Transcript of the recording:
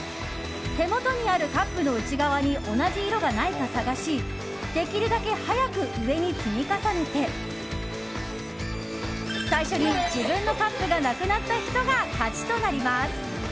手元にあるカップの内側に同じ色がないか探しできるだけ早く上に積み重ねて最初に自分のカップがなくなった人が勝ちとなります。